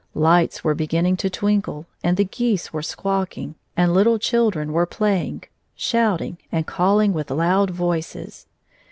Lights were beginning to twinkle, and the geese were squawking, and little children were playing, shout ing, and calling with loud voices.